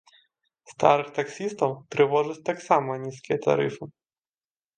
Старых таксістаў трывожаць таксама нізкія тарыфы.